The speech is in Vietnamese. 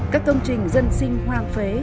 các thông trình dân sinh hoang phế